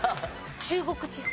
中国地方。